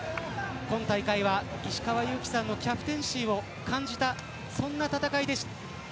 今大会は石川祐希さんのキャプテンシーを感じたそんな戦いです。